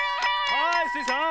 はいスイさん。